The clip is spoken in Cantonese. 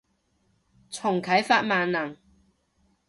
重啟法萬能